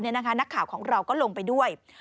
นักข่าวของเราก็ลงไปด้วย